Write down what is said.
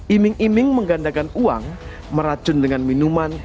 iming iming menggandakan uang meracun dengan minuman